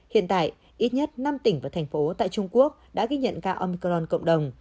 hiện tại ít nhất năm tỉnh và thành phố tại trung quốc đã ghi nhận ca omicron